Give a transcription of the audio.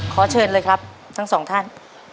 ขอเชิญเลยครับทั้งสองท่าน